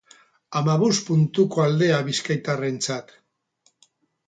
Hamabost puntuko aldea bizkaitarrentzat.